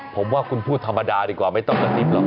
ผมว่าคุณพูดธรรมดาดีกว่าไม่ต้องกระซิบหรอก